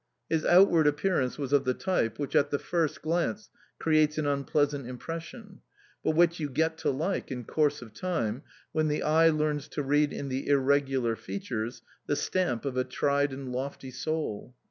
His outward appearance was of the type which, at the first glance, creates an unpleasant impression, but which you get to like in course of time, when the eye learns to read in the irregular features the stamp of a tried and lofty soul.